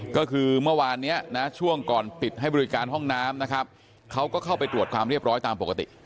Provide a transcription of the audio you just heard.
ก็คือเมื่อวานนี้นะช่วงก่อนปิดให้บริการห้องน้ำนะครับเขาก็เข้าไปตรวจความเรียบร้อยตามปกติ